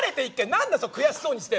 何でそう悔しそうにしてるの！